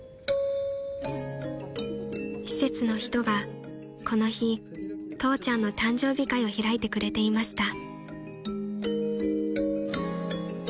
［施設の人がこの日父ちゃんの誕生日会を開いてくれていました］